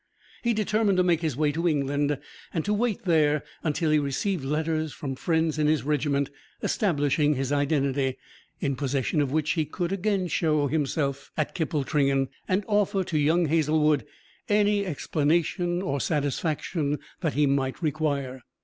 He determined to make his way to England, and to wait there until he received letters from friends in his regiment establishing his identity, in possession of which he could again show himself at Kippletringan, and offer to young Hazlewood any explanation or satisfaction he might require.